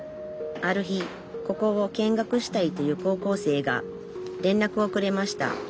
ある日ここを見学したいという高校生がれんらくをくれました。